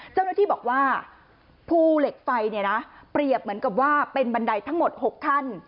เจ้าหน้าที่บอกว่าภูเหล็กไฟเนี่ยนะเปรียบเหมือนกับว่าเป็นบันไดทั้งหมด๖ขั้น